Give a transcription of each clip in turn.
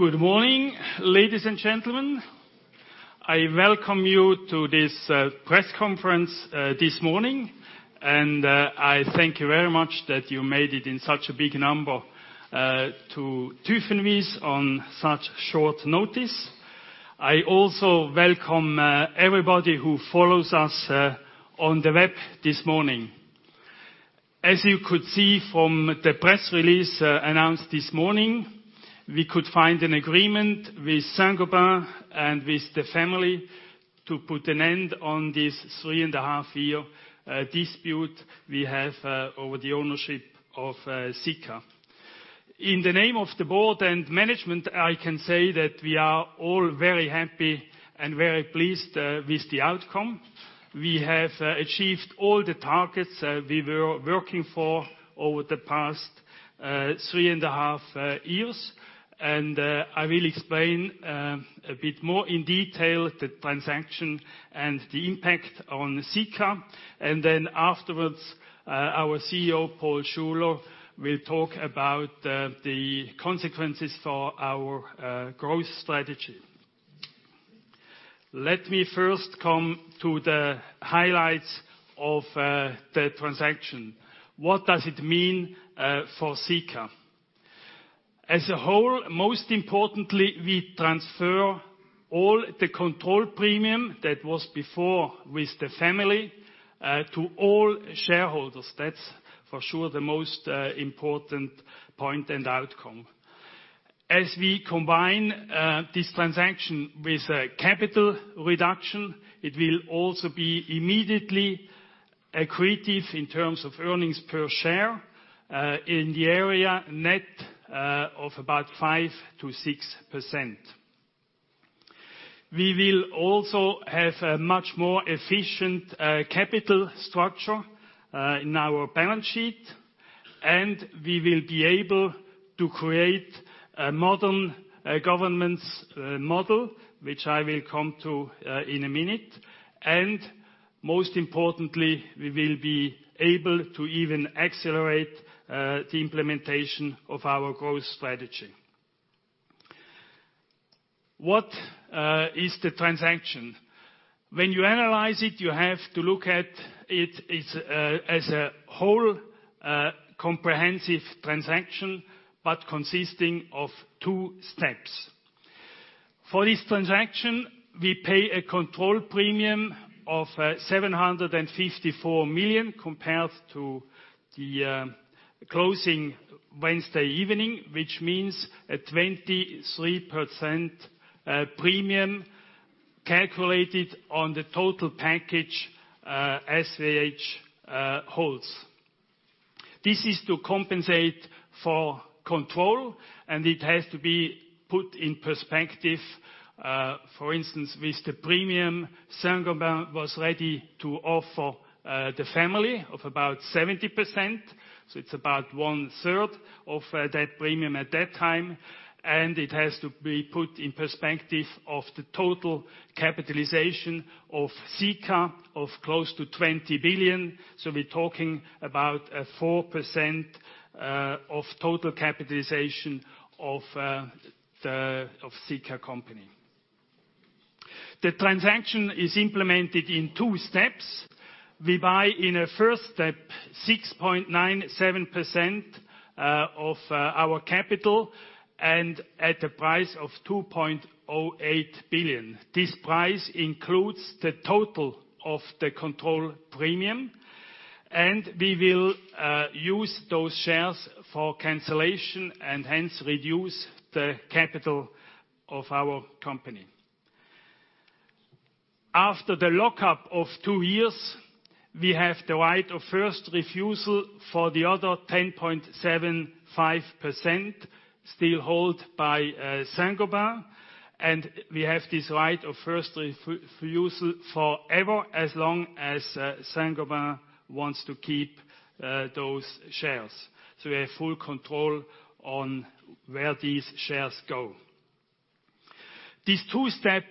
Good morning, ladies and gentlemen. I welcome you to this press conference this morning. I thank you very much that you made it in such a big number to Tüffenwies on such short notice. I also welcome everybody who follows us on the web this morning. As you could see from the press release announced this morning, we could find an agreement with Saint-Gobain and with the family to put an end on this three-and-a-half year dispute we have over the ownership of Sika. In the name of the board and management, I can say that we are all very happy and very pleased with the outcome. We have achieved all the targets we were working for over the past three and a half years. I will explain a bit more in detail the transaction and the impact on Sika. Afterwards, our CEO, Paul Schuler, will talk about the consequences for our growth strategy. Let me first come to the highlights of the transaction. What does it mean for Sika? As a whole, most importantly, we transfer all the control premium that was before with the family to all shareholders. That's for sure the most important point and outcome. As we combine this transaction with a capital reduction, it will also be immediately accretive in terms of earnings per share in the area net of about 5%-6%. We will also have a much more efficient capital structure in our balance sheet, and we will be able to create a modern governance model, which I will come to in a minute. Most importantly, we will be able to even accelerate the implementation of our growth strategy. What is the transaction? When you analyze it, you have to look at it as a whole comprehensive transaction, but consisting of two steps. For this transaction, we pay a control premium of 754 million compared to the closing Wednesday evening, which means a 23% premium calculated on the total package SVH holds. This is to compensate for control, and it has to be put in perspective for instance, with the premium Saint-Gobain was ready to offer the family of about 70%, so it's about one-third of that premium at that time, and it has to be put in perspective of the total capitalization of Sika of close to 20 billion. We're talking about a 4% of total capitalization of Sika company. The transaction is implemented in two steps. We buy in a first step, 6.97% of our capital and at a price of 2.08 billion. This price includes the total of the control premium, and we will use those shares for cancellation and hence reduce the capital of our company. After the lockup of two years, we have the right of first refusal for the other 10.75% still held by Saint-Gobain, and we have this right of first refusal forever as long as Saint-Gobain wants to keep those shares. We have full control on where these shares go. This two-step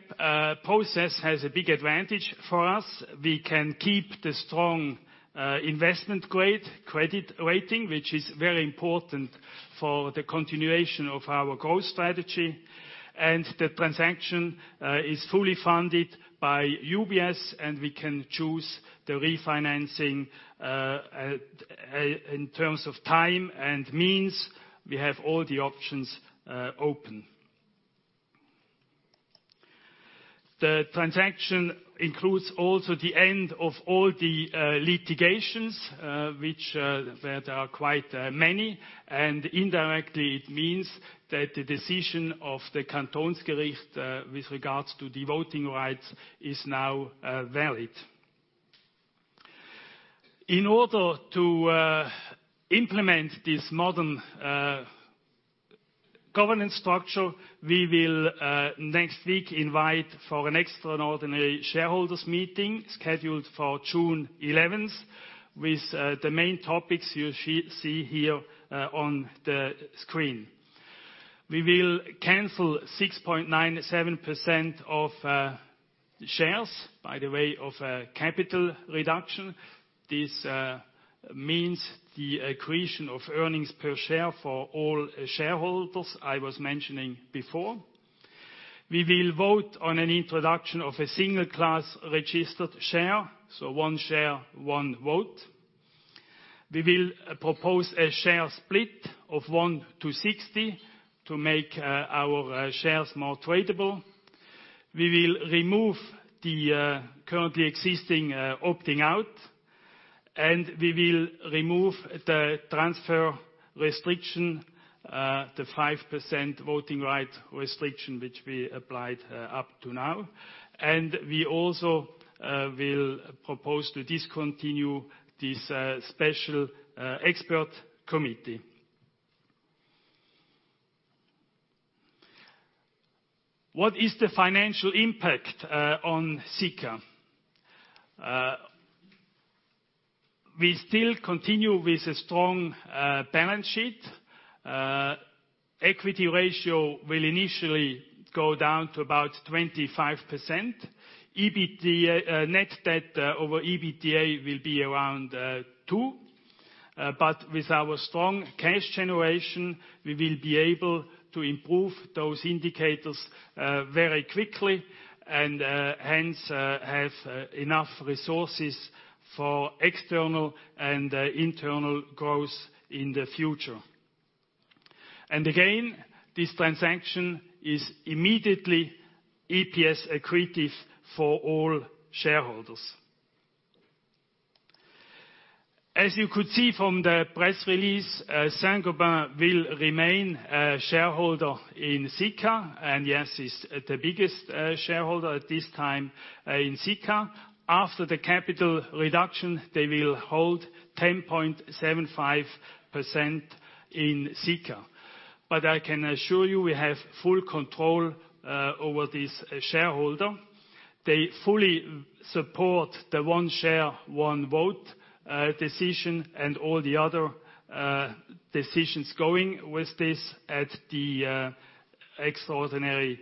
process has a big advantage for us. We can keep the strong investment-grade credit rating, which is very important for the continuation of our growth strategy. The transaction is fully funded by UBS, and we can choose the refinancing, in terms of time and means. We have all the options open. The transaction includes also the end of all the litigations, which there are quite many. Indirectly, it means that the decision of the Kantonsgericht with regards to the voting rights is now valid. In order to implement this modern governance structure, we will, next week, invite for an extraordinary shareholders meeting scheduled for June 11th with the main topics you see here on the screen. We will cancel 6.97% of shares, by the way, of a capital reduction. This means the accretion of earnings per share for all shareholders, I was mentioning before. We will vote on an introduction of a single class registered share, so one share, one vote. We will propose a share split of 1 to 60 to make our shares more tradable. We will remove the currently existing opting out. We will remove the transfer restriction, the 5% voting right restriction which we applied up to now. We also will propose to discontinue this special expert committee. What is the financial impact on Sika? We still continue with a strong balance sheet. Equity ratio will initially go down to about 25%. Net debt over EBITDA will be around 2. With our strong cash generation, we will be able to improve those indicators very quickly and, hence, have enough resources for external and internal growth in the future. This transaction is immediately EPS accretive for all shareholders. As you could see from the press release, Saint-Gobain will remain a shareholder in Sika, and yes, is the biggest shareholder at this time in Sika. After the capital reduction, they will hold 10.75% in Sika. I can assure you we have full control over this shareholder. They fully support the one share, one vote decision and all the other decisions going with this at the extraordinary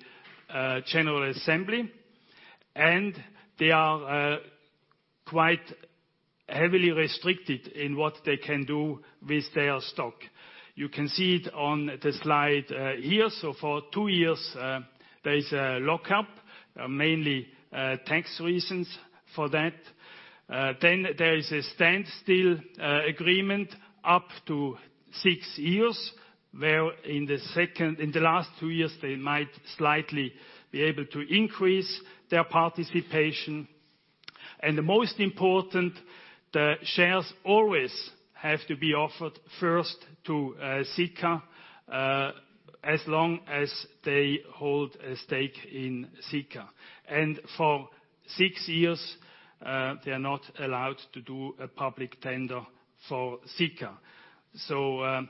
general assembly. They are quite heavily restricted in what they can do with their stock. You can see it on the slide here. For 2 years, there is a lock-up, mainly tax reasons for that. There is a standstill agreement up to 6 years, where in the last 2 years, they might slightly be able to increase their participation. The most important, the shares always have to be offered first to Sika, as long as they hold a stake in Sika. For 6 years, they are not allowed to do a public tender for Sika.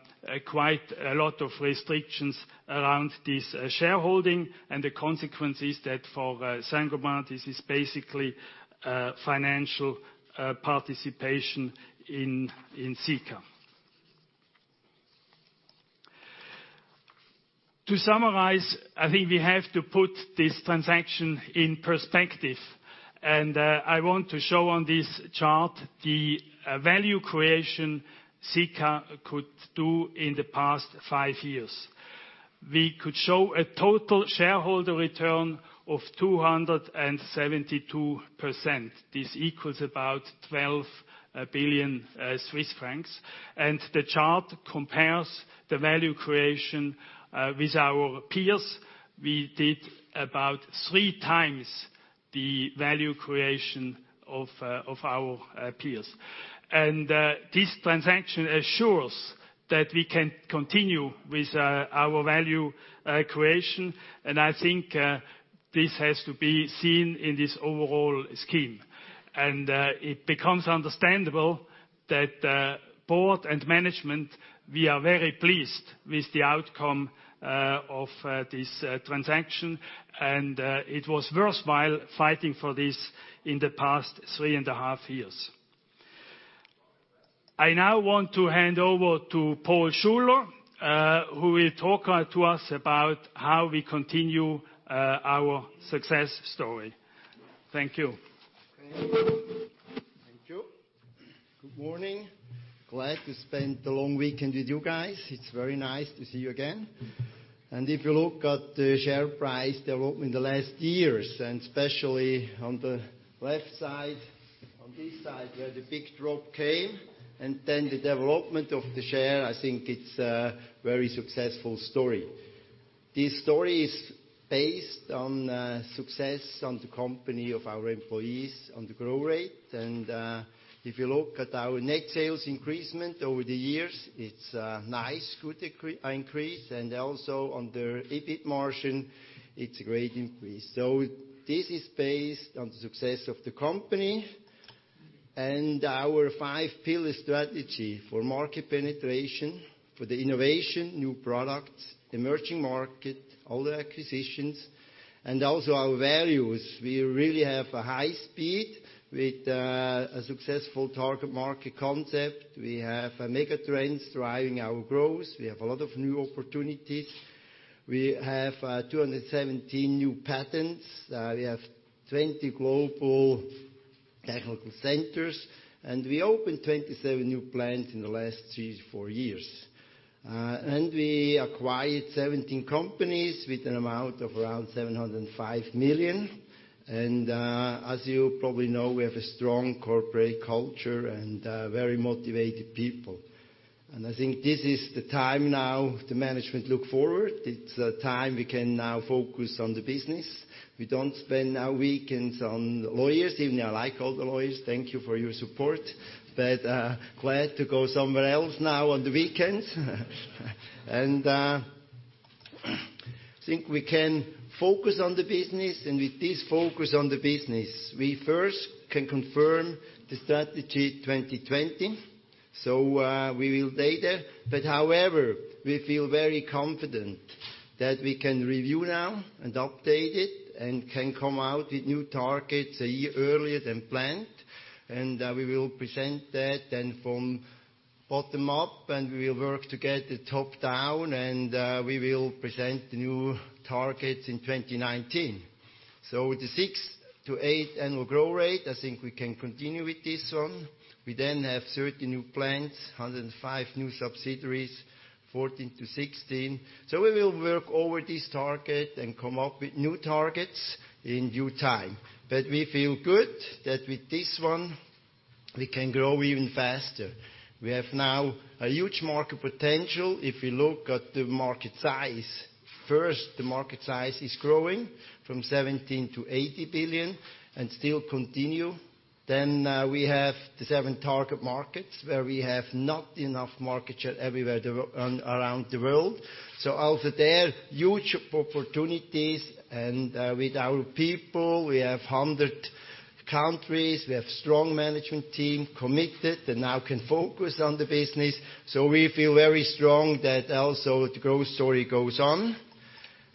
Quite a lot of restrictions around this shareholding. The consequence is that for Saint-Gobain, this is basically financial participation in Sika. To summarize, I think we have to put this transaction in perspective. I want to show on this chart the value creation Sika could do in the past 5 years. We could show a total shareholder return of 272%. This equals about 12 billion Swiss francs. The chart compares the value creation with our peers. We did about 3 times the value creation of our peers. This transaction assures that we can continue with our value creation, and I think this has to be seen in this overall scheme. It becomes understandable that board and management, we are very pleased with the outcome of this transaction, and it was worthwhile fighting for this in the past 3 and a half years. I now want to hand over to Paul Schuler, who will talk to us about how we continue our success story. Thank you. Thank you. Good morning. Glad to spend the long weekend with you guys. It is very nice to see you again. If you look at the share price development in the last years, and especially on the left side, on this side, where the big drop came, then the development of the share, I think it is a very successful story. This story is based on success on the company of our employees, on the growth rate. If you look at our net sales increasement over the years, it is a nice good increase. Also on the EBIT margin, it is a great increase. This is based on the success of the company. Our five pillar strategy for market penetration, for the innovation, new products, emerging market, all the acquisitions, and also our values. We really have a high speed with a successful target market concept. We have megatrends driving our growth. We have a lot of new opportunities. We have 217 new patents. We have 20 global technical centers. We opened 27 new plants in the last 3 to 4 years. We acquired 17 companies with an amount of around 705 million. As you probably know, we have a strong corporate culture and very motivated people. I think this is the time now the management look forward. It is a time we can now focus on the business. We don't spend our weekends on lawyers, even though I like all the lawyers, thank you for your support, but glad to go somewhere else now on the weekends. I think we can focus on the business, and with this focus on the business, we first can confirm the Strategy 2020. We will stay there. However, we feel very confident that we can review now and update it, and can come out with new targets one year earlier than planned. We will present that then from bottom up. We will work together top-down. We will present the new targets in 2019. With the 6%-8% annual growth rate, I think we can continue with this one. We then have 30 new plants, 105 new subsidiaries, 14-16. We will work over this target and come up with new targets in due time. We feel good that with this one, we can grow even faster. We have now a huge market potential. If we look at the market size, first, the market size is growing from the market size is growing from 70 billion to 80 billion and still continue to CHF 80 billion and still continue. We have the seven target markets where we have not enough market share everywhere around the world. Also there, huge opportunities. With our people, we have 100 countries. We have strong management team committed and now can focus on the business. We feel very strong that also the growth story goes on.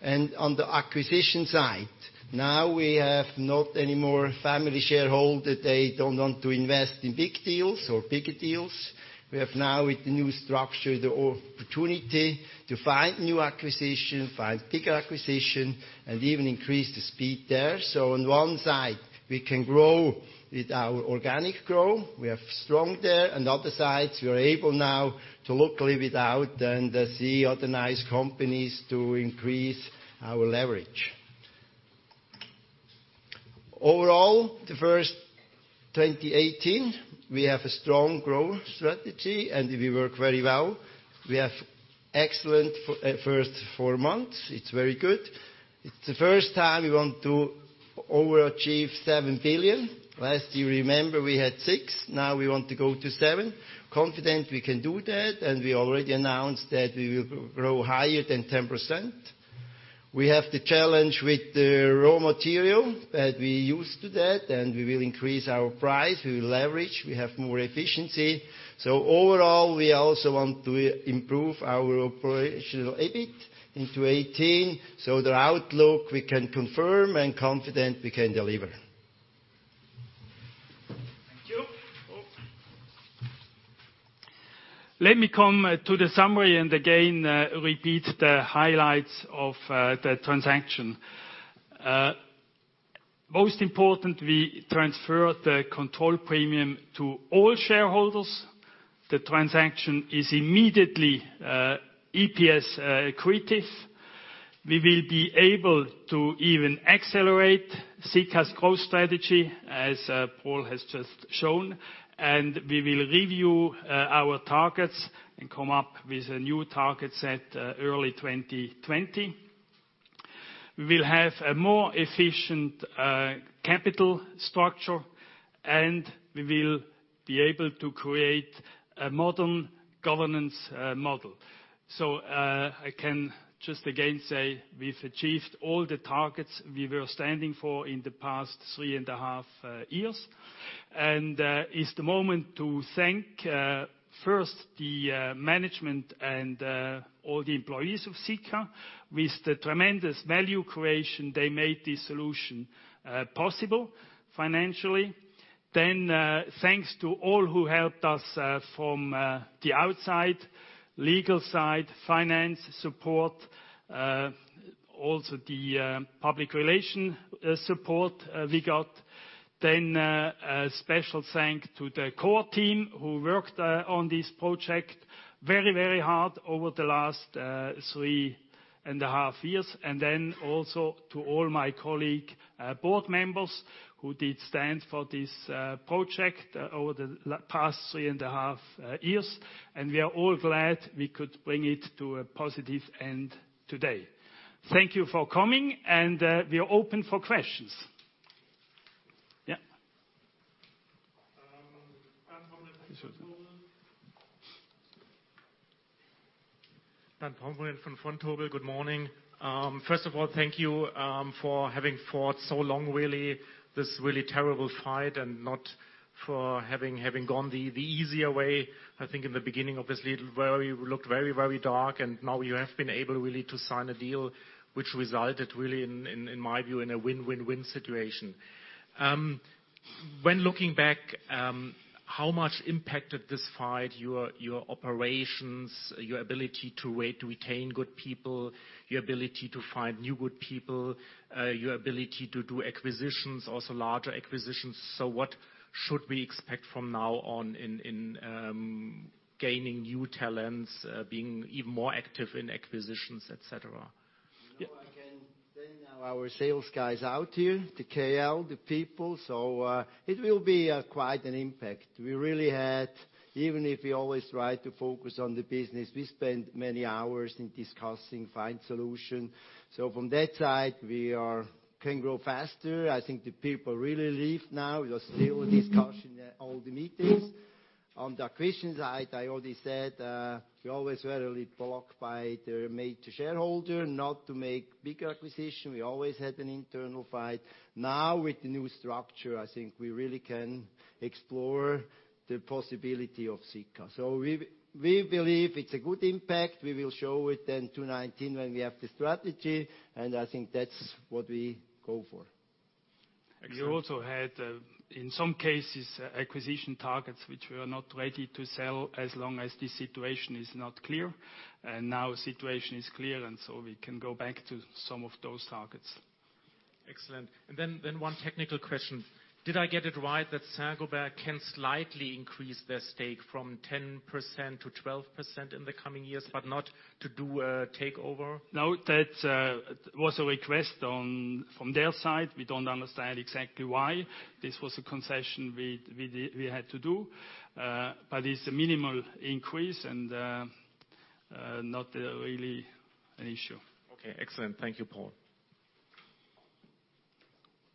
On the acquisition side, now we have not any more family shareholder. They don't want to invest in big deals or bigger deals. We have now, with the new structure, the opportunity to find new acquisition, find bigger acquisition, and even increase the speed there. On one side, we can grow with our organic growth. We are strong there. The other side, we are able now to look little bit out and see other nice companies to increase our leverage. Overall, the first 2018, we have a strong growth strategy. We work very well. We have excellent first four months. It's very good. It's the first time we want to overachieve 7 billion. Last year, remember, we had CHF six, now we want to go to CHF seven. Confident we can do that. We already announced that we will grow higher than 10%. We have the challenge with the raw material. We're used to that. We will increase our price. We will leverage. We have more efficiency. Overall, we also want to improve our operational EBIT into 2018. The outlook we can confirm and confident we can deliver. Thank you. Paul? Let me come to the summary and again repeat the highlights of the transaction. Most important, we transfer the control premium to all shareholders. The transaction is immediately EPS accretive. We will be able to even accelerate Sika's growth strategy, as Paul has just shown. We will review our targets and come up with new targets at early 2020. We will have a more efficient capital structure, and we will be able to create a modern governance model. I can just again say we've achieved all the targets we were standing for in the past three and a half years. It's the moment to thank first the management and all the employees of Sika. With the tremendous value creation they made this solution possible financially. Thanks to all who helped us from the outside, legal side, finance support, also the public relation support we got. A special thank to the core team who worked on this project very hard over the last three and a half years. Also to all my colleague board members who did stand for this project over the past three and a half years. We are all glad we could bring it to a positive end today. Thank you for coming, and we are open for questions. Yeah. Dan Pomeroy from Vontobel. Good morning. First of all, thank you for having fought so long, this really terrible fight, and not for having gone the easier way. I think in the beginning, obviously, it looked very dark, and now you have been able really to sign a deal, which resulted, in my view, in a win-win-win situation. When looking back, how much impacted this fight your operations, your ability to retain good people, your ability to find new good people, your ability to do acquisitions, also larger acquisitions? What should we expect from now on in gaining new talents, being even more active in acquisitions, et cetera? You know I can send now our sales guys out here, the KL, the people. It will be quite an impact. Even if we always try to focus on the business, we spend many hours in discussing, find solution. From that side, we can grow faster. I think the people are relieved now. We are still discussing all the meetings. On the acquisition side, I already said, we always were a little blocked by the major shareholder not to make big acquisition. We always had an internal fight. Now with the new structure, I think we really can explore the possibility of Sika. We believe it's a good impact. We will show it in 2019 when we have the strategy. I think that's what we go for. Excellent. We also had, in some cases, acquisition targets which were not ready to sell as long as the situation is not clear. Now situation is clear, we can go back to some of those targets. Excellent. One technical question. Did I get it right that Saint-Gobain can slightly increase their stake from 10% to 12% in the coming years, but not to do a takeover? No. That was a request from their side. We don't understand exactly why. This was a concession we had to do. It's a minimal increase and not really an issue. Okay. Excellent. Thank you, Paul.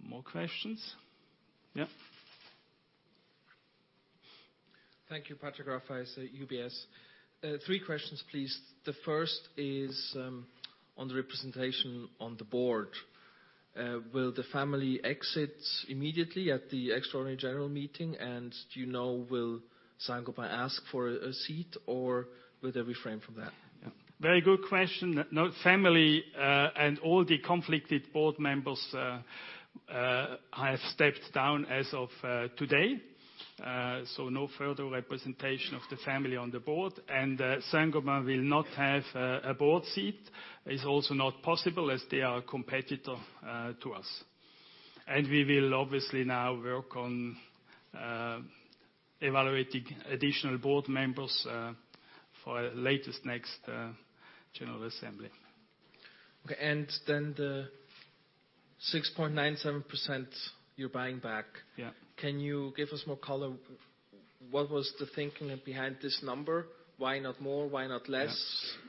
More questions? Yeah. Thank you. Patrick Rafaisz, UBS. three questions, please. The first is on the representation on the board. Will the family exit immediately at the extraordinary general meeting? Do you know, will Saint-Gobain ask for a seat, or will they refrain from that? Very good question. Note family and all the conflicted board members have stepped down as of today. No further representation of the family on the board. Saint-Gobain will not have a board seat. It's also not possible as they are a competitor to us. We will obviously now work on evaluating additional board members for latest next general assembly. Okay. Then the 6.97% you're buying back. Yeah. Can you give us more color? What was the thinking behind this number? Why not more, why not less? Yeah.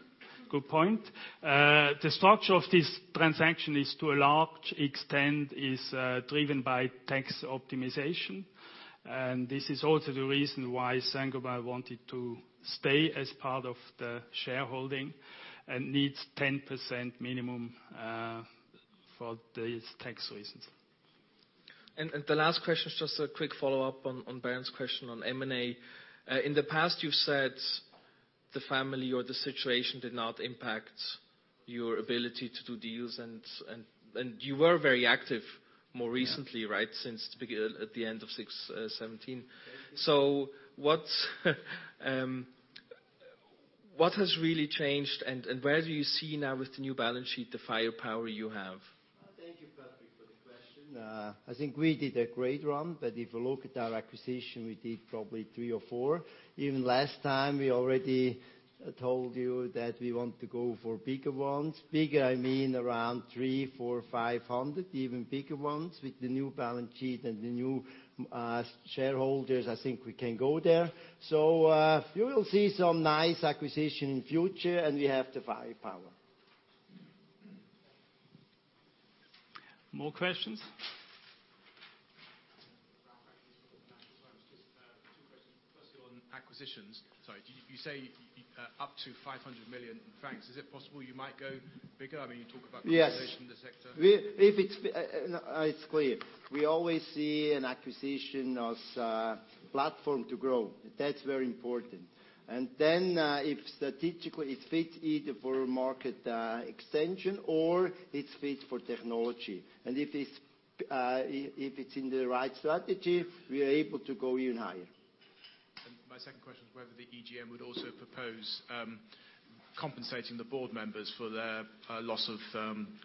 Good point. The structure of this transaction is, to a large extent, is driven by tax optimization. This is also the reason why Saint-Gobain wanted to stay as part of the shareholding and needs 10% minimum for these tax reasons. The last question is just a quick follow-up on Dan's question on M&A. In the past, you've said the family or the situation did not impact your ability to do deals, and you were very active more recently, right? Yeah. Since at the end of 6/2017. What has really changed, and where do you see now with the new balance sheet, the firepower you have? Thank you, Patrick, for the question. I think we did a great run, but if you look at our acquisition, we did probably three or four. Even last time, we already told you that we want to go for bigger ones. Bigger, I mean around 300 million, 400 million, 500 million. Even bigger ones. With the new balance sheet and the new shareholders, I think we can go there. You will see some nice acquisition in future, and we have the firepower. More questions? Just two questions. First of all, on acquisitions. Sorry. You say up to 500 million francs. Is it possible you might go bigger? I mean, you talk about- Yes consolidation in the sector. It's clear. We always see an acquisition as a platform to grow. That's very important. Then, if strategically it fits either for market extension or it fits for technology. If it's in the right strategy, we are able to go even higher. My second question is whether the EGM would also propose compensating the board members for their loss of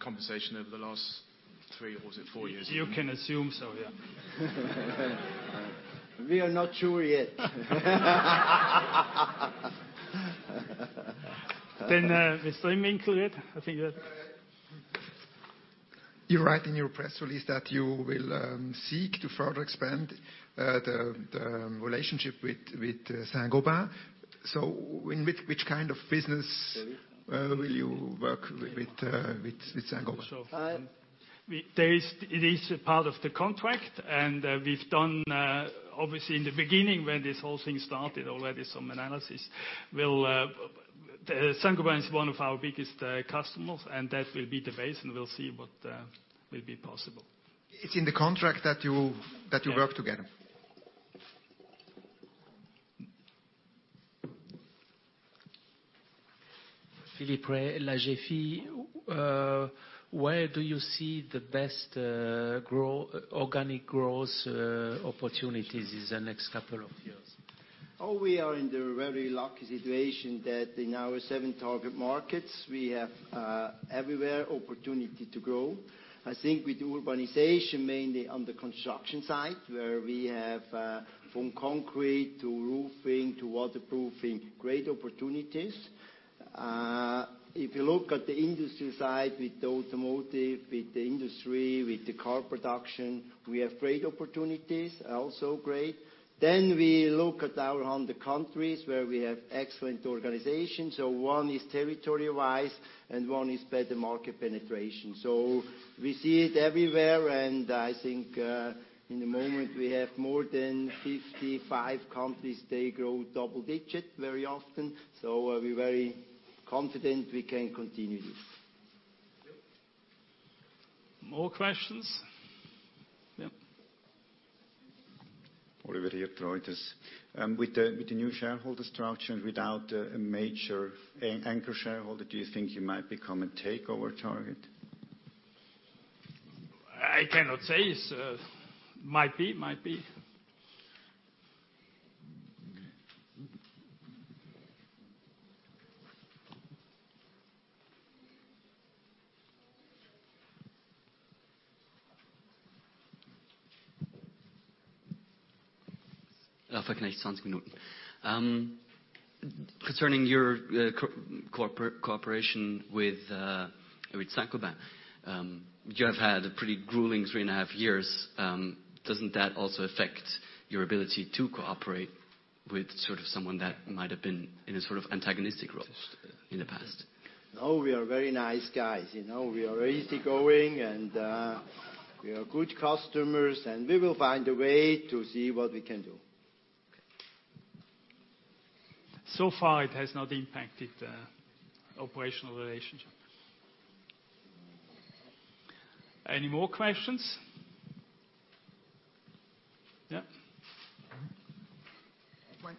compensation over the last three, or was it four years? You can assume so, yeah. We are not sure yet. Mr. Immenklee. I think you had You write in your press release that you will seek to further expand the relationship with Saint-Gobain. In which kind of business will you work with Saint-Gobain? It is a part of the contract, and we've done, obviously in the beginning, when this whole thing started already, some analysis. Saint-Gobain is one of our biggest customers, and that will be the base, and we'll see what will be possible. It's in the contract that you work together. Yeah. Philippe Rey, L'Agefi. Where do you see the best organic growth opportunities in the next couple of years? We are in the very lucky situation that in our seven target markets, we have everywhere opportunity to grow. I think with urbanization, mainly on the construction side, where we have, from concrete to roofing to waterproofing, great opportunities. If you look at the industry side with the automotive, with the industry, with the car production, we have great opportunities, also great. We look at our other countries where we have excellent organizations. One is territory-wise and one is better market penetration. We see it everywhere, and I think in the moment, we have more than 55 countries, they grow double-digit very often. We're very confident we can continue this. More questions? Yeah. Oliver Hirt Reuters. With the new shareholder structure, without a major anchor shareholder, do you think you might become a takeover target? I cannot say. Might be. Raphael Knecht, 20 Minuten. Concerning your cooperation with Saint-Gobain. You have had a pretty grueling three and a half years. Doesn't that also affect your ability to cooperate with someone that might have been in a sort of antagonistic role in the past? No, we are very nice guys. We are easygoing, and we are good customers, and we will find a way to see what we can do. Okay. So far, it has not impacted the operational relationship. Any more questions? Yeah.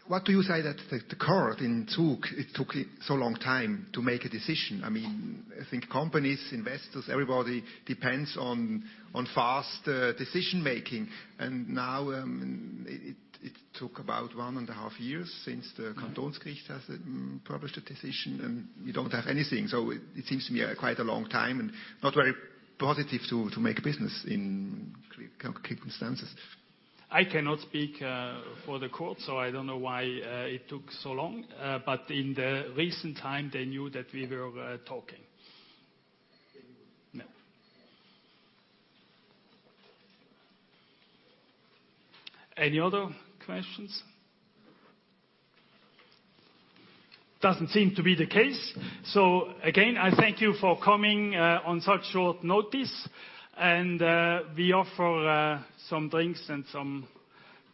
What do you say that the court in Zug, it took so long time to make a decision? I think companies, investors, everybody depends on fast decision-making. Now, it took about one and a half years since the Kantonsgericht has published a decision, and we don't have anything. It seems to me quite a long time and not very positive to make business in circumstances. I cannot speak for the court, so I don't know why it took so long. In the recent time, they knew that we were talking. They knew. Yeah. Any other questions? Doesn't seem to be the case. Again, I thank you for coming on such short notice. We offer some drinks and some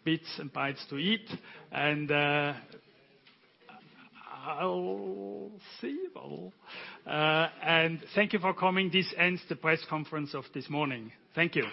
bits and bites to eat. I'll see you all. Thank you for coming. This ends the press conference of this morning. Thank you.